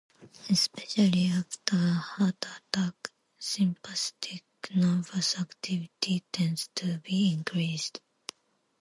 Especially after a heart attack, sympathetic nervous activity tends to be increased.